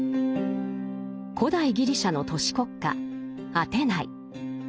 古代ギリシャの都市国家アテナイ。